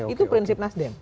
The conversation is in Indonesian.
itu prinsip nasdem